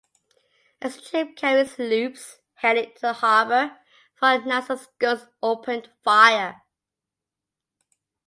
As the troop-carrying sloops headed into the harbor, Fort Nassau's guns opened fire.